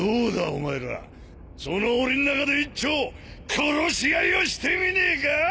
お前らそのおりの中で一丁殺し合いをしてみねえか？